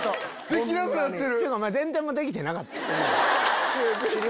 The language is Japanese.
できなくなってる！